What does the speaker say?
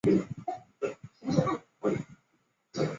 错愕的看着打开的门